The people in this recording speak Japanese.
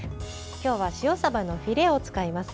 今日は塩さばのフィレを使います。